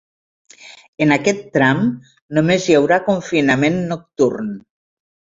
En aquest tram, només hi haurà confinament nocturn.